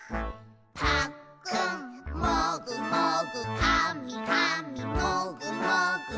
「ぱっくんもぐもぐ」「かみかみもぐもぐ」